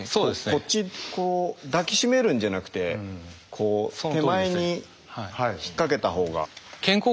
こっち抱き締めるんじゃなくてこう手前に引っ掛けたほうが。